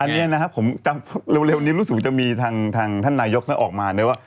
มินิฮาร์ดเร็วนี้รู้สึกจะมีท่านนายกกออกมา